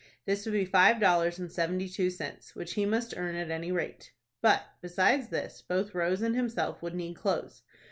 This would be five dollars and seventy two cents, which he must earn at any rate. But, besides this, both Rose and himself would need clothes.